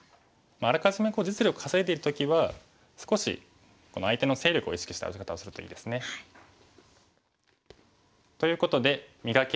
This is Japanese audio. あらかじめ実利を稼いでる時は少し相手の勢力を意識した打ち方をするといいですね。ということで「磨け！